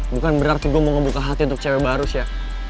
bukan berarti gua mau ngebuka hati untuk cewek baru sya